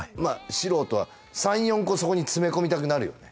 素人は３４個そこに詰め込みたくなるよね